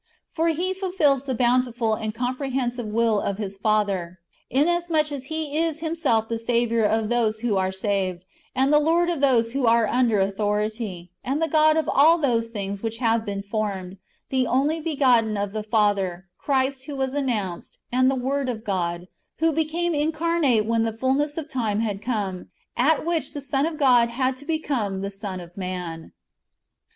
For He fulfils the bountiful and comprehensive wall of His Father, inasmuch as He is Him self the Saviour of those who are saved, and the Lord of those who are under authority, and the God of all those things which have been formed, the only begotten of the Father, Christ wdio was announced, and the Word of God, who became incarnate when the fulness of time had come, at which the Son of God had to become the Son of man.